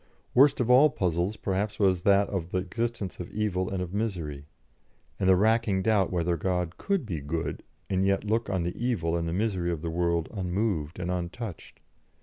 Worst of all puzzles, perhaps, was that of the existence of evil and of misery, and the racking doubt whether God could be good, and yet look on the evil and the misery of the world unmoved and untouched.